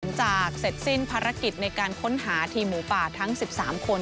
เสร็จสิ้นภารกิจในการค้นหาทีมหมูป่าทั้ง๑๓คน